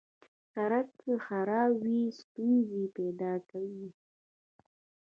سړک که خراب وي، ستونزې پیدا کوي.